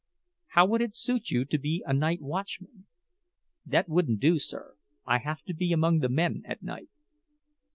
"How would it suit you to be a night watchman?" "That wouldn't do, sir. I have to be among the men at night."